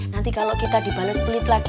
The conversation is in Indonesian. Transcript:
nanti kalau kita dibalas belit lagi